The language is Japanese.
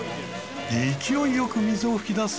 勢いよく水を噴き出す